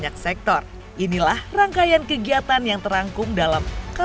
demi allah saya bersumpah